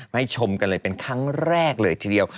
ให้ชมกันเลยเป็นครั้งแรกเลยทีเดียว